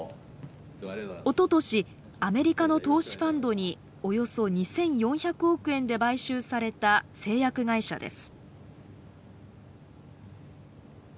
おととしアメリカの投資ファンドにおよそ２，４００億円で買収された製薬会社です。